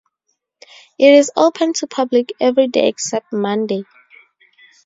It is open to public every day except Monday.